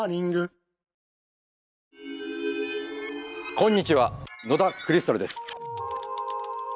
こんにちは野田クリスタルです。